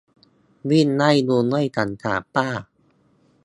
วิ่งไล่ลุงด้วยสังขารป้า